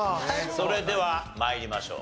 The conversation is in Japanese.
それでは参りましょう。